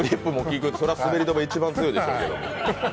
そりゃ、滑り止め一番強いでしょうけど。